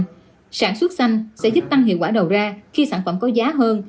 tuy nhiên sản xuất xanh sẽ giúp tăng hiệu quả đầu ra khi sản phẩm có giá hơn